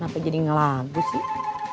kenapa jadi ngelagu sih